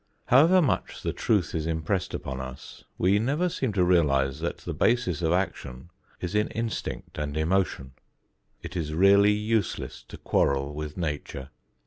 However much the truth is impressed upon us, we never seem to realize that the basis of action is in instinct and emotion. It is really useless to quarrel with Nature.